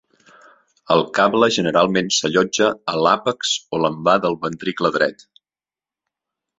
El cable generalment s'allotja a l'àpex o l'envà del ventricle dret.